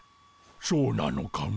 そうなのかモ？